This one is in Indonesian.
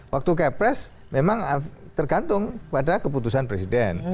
waktu kayak pres memang tergantung pada keputusan presiden